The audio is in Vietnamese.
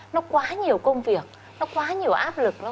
nó quá nhiều công việc nó quá nhiều áp lực